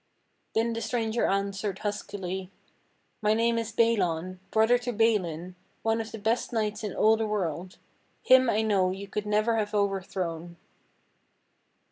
Then the stranger answered huskily: 106 THE STORY OF KING ARTHUR "My name is Balan, brother to Balin, one of the best knights in all the world. Him I know you could never have overthrown."